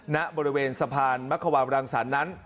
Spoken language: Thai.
ณบริเวณสะพานมะความรังสรรค์นั้น